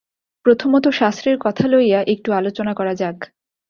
প্রথমত শাস্ত্রের কথা লইয়া একটু আলোচনা করা যাক।